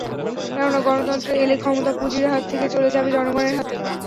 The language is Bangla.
কেননা গণতন্ত্র এলে ক্ষমতা পুঁজির হাত থেকে চলে যাবে জনগণের হাতে।